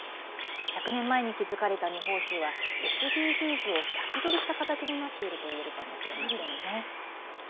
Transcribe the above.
１００年前に築かれた二峰しゅうはＳＤＧｓを先取りした形になっているといえるかもしれませんね。